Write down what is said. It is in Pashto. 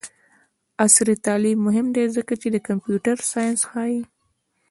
عصري تعلیم مهم دی ځکه چې د کمپیوټر ساینس ښيي.